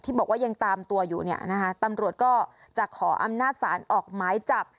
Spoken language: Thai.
บอกว่ายังตามตัวอยู่เนี่ยนะคะตำรวจก็จะขออำนาจศาลออกหมายจับ